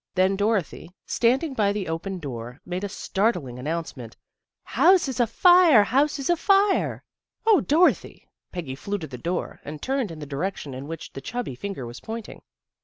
Then Dorothy, standing by the open door, made a startling announce ment. " House is a fire! House is a fire! " 20 THE GIRLS OF FRIENDLY TERRACE "0 Dorothy!" Peggy flew to the door, and turned in the direction in which the chubby finger was pointing.